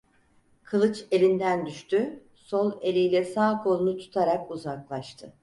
Kılıç elinden düştü, sol eliyle sağ kolunu tutarak uzaklaştı.